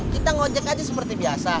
kita ngojek aja seperti biasa